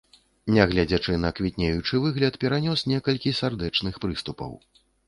Нягледзячы на квітнеючы выгляд, перанёс некалькі сардэчных прыступаў.